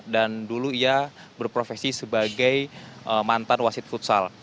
dan dulu ia berprofesi sebagai mantan wasit futsal